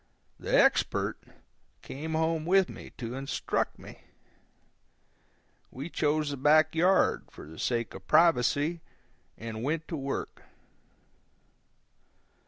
The Expert came home with me to instruct me. We chose the back yard, for the sake of privacy, and went to work.